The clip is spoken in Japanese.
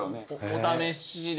お試しで。